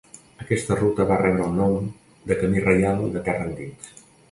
Aquesta ruta va rebre el nom de Camí Reial de Terra Endins.